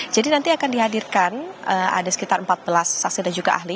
jadi nanti akan dihadirkan ada sekitar empat belas saksi dan juga ahli